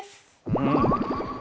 うん。